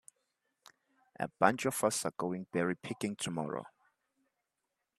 A bunch of us are going berry picking tomorrow.